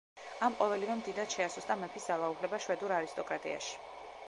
ამ ყოველივემ დიდად შეასუსტა მეფის ძალაუფლება შვედურ არისტოკრატიაში.